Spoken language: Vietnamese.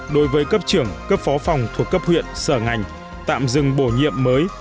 đối với cấp trưởng cấp phó phòng thuộc cấp huyện sở ngành tạm dừng bổ nhiệm mới